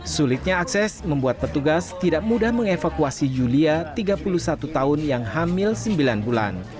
sulitnya akses membuat petugas tidak mudah mengevakuasi yulia tiga puluh satu tahun yang hamil sembilan bulan